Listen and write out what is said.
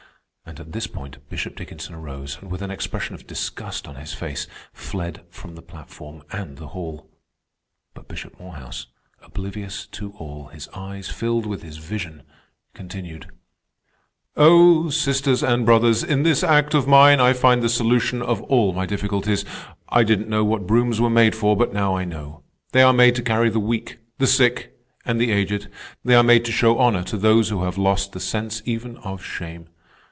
And at this point Bishop Dickinson arose, and with an expression of disgust on his face, fled from the platform and the hall. But Bishop Morehouse, oblivious to all, his eyes filled with his vision, continued: "Oh, sisters and brothers, in this act of mine I find the solution of all my difficulties. I didn't know what broughams were made for, but now I know. They are made to carry the weak, the sick, and the aged; they are made to show honor to those who have lost the sense even of shame.